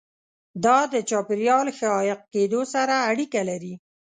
دا د چاپیریال ښه عایق کېدو سره اړیکه لري.